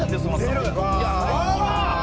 ほら！」